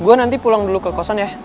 gue nanti pulang dulu ke kosan ya